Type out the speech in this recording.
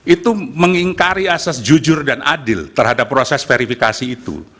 itu mengingkari asas jujur dan adil terhadap proses verifikasi itu